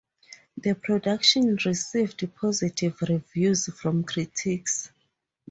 The production received positive reviews from critics.